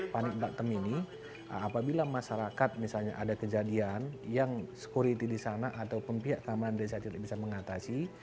panic button ini apabila masyarakat misalnya ada kejadian yang security di sana atau pembiak kamar residen bisa mengatasi